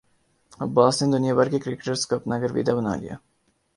عباس نے دنیا بھر کے کرکٹرز کو اپنا گرویدہ بنا لیا